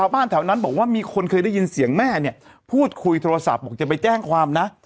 บ้านแถวนั้นบอกว่ามีคนเคยได้ยินเสียงแม่เนี่ยพูดคุยโทรศัพท์บอกจะไปแจ้งความนะ